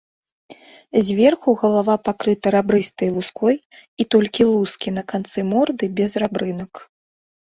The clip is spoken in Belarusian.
Зверху галава пакрыта рабрыстай луской, і толькі лускі на канцы морды без рабрынак.